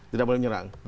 tidak boleh menyerang